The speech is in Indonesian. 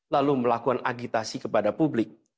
lalu melakukan agitasi kepada publik